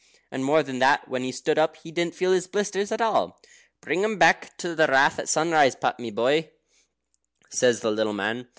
And, more than that, when he stood up, he didn't feel his blisters at all. "Bring 'em back to the Rath at sunrise, Pat, my boy," says the little man.